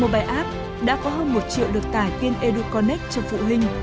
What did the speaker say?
một bài app đã có hơn một triệu được tải viên educonnect cho phụ huynh